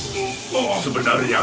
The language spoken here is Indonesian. dan dia juga dapat pertemuanmu